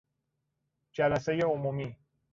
جلسهی عمومی